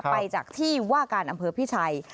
ไปจากที่ว่าการอำเภอพิชัย